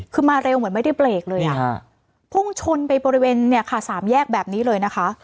คือมาเร็วเหมือนไม่ได้เบรกเลยอ่ะฮะพุ่งชนไปบริเวณเนี่ยค่ะสามแยกแบบนี้เลยนะคะ